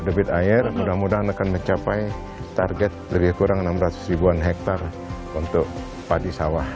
debit air mudah mudahan akan mencapai target lebih kurang enam ratus ribuan hektare untuk padi sawah